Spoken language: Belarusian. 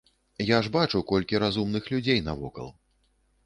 Я ж бачу, колькі разумных людзей навокал.